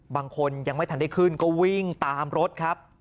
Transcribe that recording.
บางคนยังไม่ทันได้ขึ้นก็วิ่งตามรถครับ